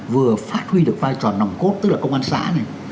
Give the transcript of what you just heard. vừa phát huy được vai trò nòng cốt tức là công an xã này